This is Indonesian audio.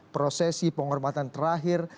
prosesi penghormatan terakhir